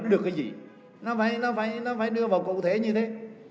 khi tổng cách cuối năm xem thì nó được cái gì nó phải đưa vào cụ thể như thế